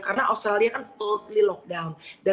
karena australia kan tentu tentu kemas